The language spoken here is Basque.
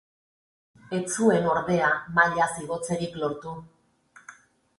Ez zuen ordea mailaz igotzerik lortu.